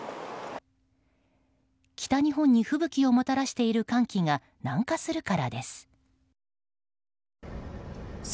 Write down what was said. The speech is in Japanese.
北日本に吹雪をもたらしている寒気が南下するからです。